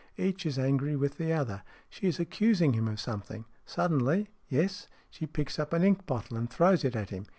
Each is angry with the other. She is accusing him of something. Suddenly yes she picks up an ink bottle and throws it at him.